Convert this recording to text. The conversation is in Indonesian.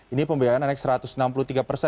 ini pembiayaan anek seratus